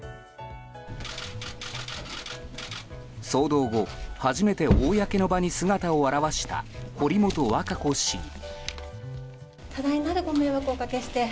騒動後、初めて公の場に姿を現した堀本和歌子市議。